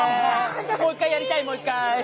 もう一回やりたいもう一回。